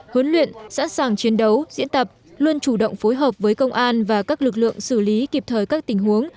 huấn luyện sẵn sàng chiến đấu diễn tập luôn chủ động phối hợp với công an và các lực lượng xử lý kịp thời các tình huống